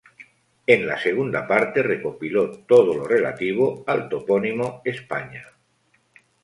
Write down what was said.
En la segunda parte recopiló todo lo relativo al topónimo "España".